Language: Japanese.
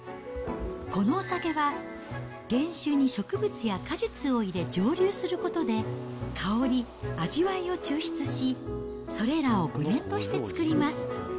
このお酒は、原酒に植物や果実を入れ、蒸留することで、香り、味わいを抽出し、それらをブレンドして造ります。